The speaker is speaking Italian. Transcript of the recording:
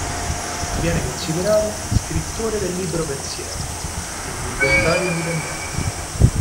Viene considerato "scrittore del libero pensiero" e "libertario indipendente".